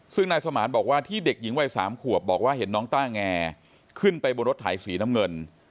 ซึ่งนายสมานบอกว่าที่เด็กหญิงวัย๓ขวบบอกว่าเห็นน้องต้าแงขึ้นไปบนรถไถสีน้ำเงิน